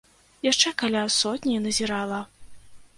Яшчэ каля сотні назірала.